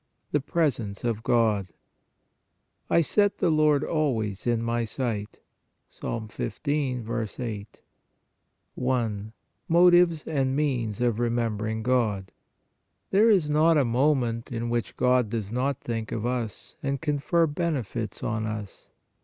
THE PRESENCE OF GOD "I set the Lord always in my sight" (Ps. 15. 8). i. MOTIVES AND MEANS OF REMEMBERING GOD. There is not a moment in which God does not think of us and confer benefits on us.